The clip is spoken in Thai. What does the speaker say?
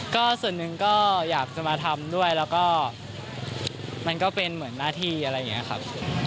ก็ส่วนหนึ่งก็อยากจะมาทำด้วยแล้วก็มันก็เป็นเหมือนหน้าที่อะไรอย่างนี้ครับ